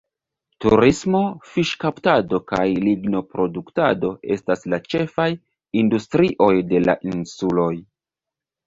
Turismo, fiŝkaptado kaj lignoproduktado estas la ĉefaj industrioj de la insuloj.